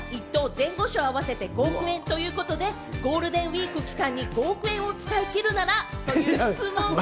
・前後賞合わせて５億円ということで、ゴールデンウイーク期間に５億円を使い切るなら？という質問が。